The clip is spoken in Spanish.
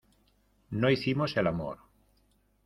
no hicimos el amor.